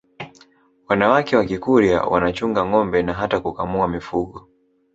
wanawake wa Kikurya wanachunga ngombe na hata kukamua mifugo